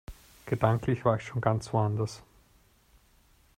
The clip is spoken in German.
Gedanklich war ich schon ganz woanders.